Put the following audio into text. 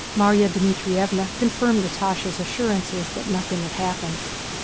Márya Dmítrievna confirmed Natásha's assurances that nothing had happened.